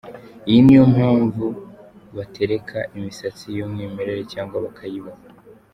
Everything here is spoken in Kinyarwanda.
Iyi ni yo mpamvu batereka imisatsi y’umwimerere cyangwa bakayiboha.